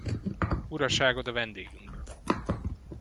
Uraságod a vendégünk!